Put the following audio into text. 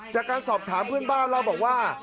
จากการสอบถามเพื่อนบ้านเล่าบอกว่า